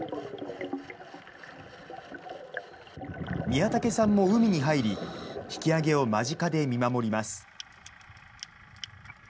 宮武さんも海に入り、引き揚げを間近で見守ります。